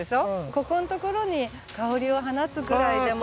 ここのところに「香りを放つ」ぐらいでも。